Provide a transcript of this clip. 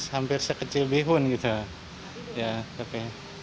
hampir sekecil bihun gitu